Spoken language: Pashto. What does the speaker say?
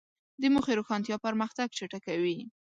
د موخې روښانتیا پرمختګ چټکوي.